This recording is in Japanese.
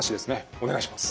お願いします。